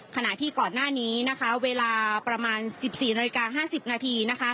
ขณะที่ก่อนหน้านี้นะคะเวลาประมาณ๑๔นาฬิกา๕๐นาทีนะคะ